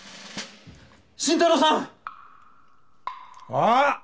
新太郎さんあッ！